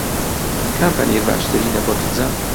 کام پەنیر باشترینە بۆ پیتزا؟